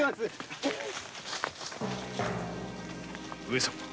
上様？